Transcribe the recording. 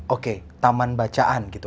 oke taman bacaan gitu